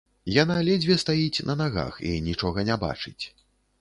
Яна ледзьве стаіць на нагах і нічога не бачыць.